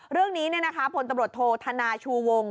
เรื่องนี้พลตำรวจโทษธนาชูวง